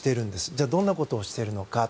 じゃあどんなことをしているのか。